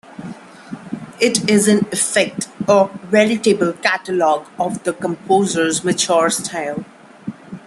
It is in effect, a veritable catalogue of the composer's mature style.